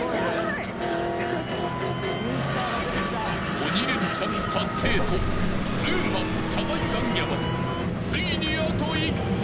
［鬼レンチャン達成とウーマン謝罪行脚までついにあと１曲］